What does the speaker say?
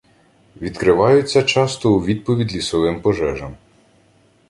Відкриваються часто у відповідь лісовим пожежам.